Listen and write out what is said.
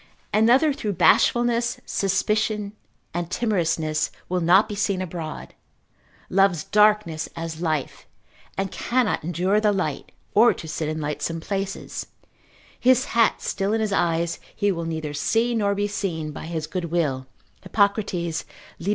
Another through bashfulness, suspicion, and timorousness will not be seen abroad, loves darkness as life, and cannot endure the light, or to sit in lightsome places, his hat still in his eyes, he will neither see nor be seen by his goodwill, Hippocrates, lib.